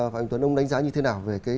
phạm anh tuấn ông đánh giá như thế nào về cái